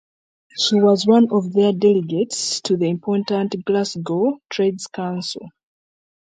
She was one of their delegates to the important Glasgow Trades Council.